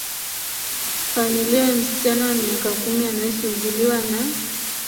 familia ya msichana wa miaka kumi anayesumbuliwa na